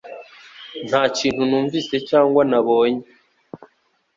Nta kintu numvise cyangwa nabonye